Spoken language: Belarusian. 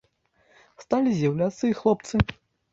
Сталі з'яўляцца і хлопцы.